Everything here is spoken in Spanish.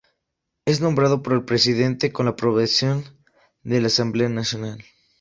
Es nombrado por el presidente, con la aprobación de la Asamblea Nacional.